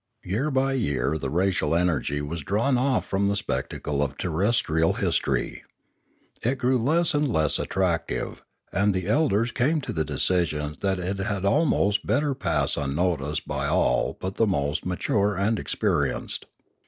Year by year the racial energy was drawn off from the spectacle of terrestrial history. It grew less and less attractive, and the elders came to the decision that it had almost better pass unnoticed by all but the most mature and experienced.